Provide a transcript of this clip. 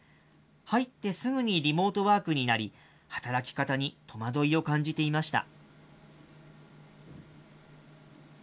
入ってすぐにリモートワークになり、働き方に戸惑いを感じていました。